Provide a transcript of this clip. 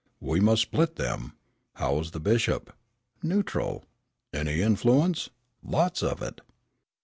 "We must split them. How is the bishop?" "Neutral." "Any influence?" "Lots of it."